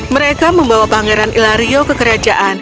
mereka membawa pangeran ilario ke kerajaan